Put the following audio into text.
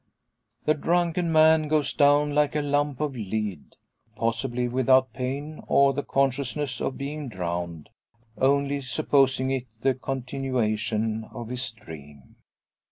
The drunken man goes down like a lump of lead; possibly without pain, or the consciousness of being drowned; only supposing it the continuation of his dream!